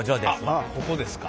あっここですか。